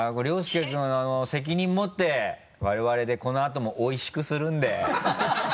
僚介君責任もって我々でこのあともおいしくするんで。